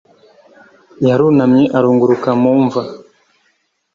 yarunamye arunguruka mu mva